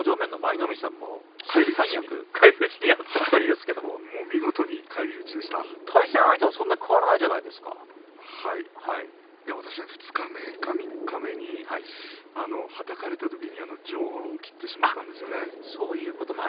返り討ち対戦相手はそんなに、私は二日目とか三日目にはたかれたときに上腕を切ってしまったんです。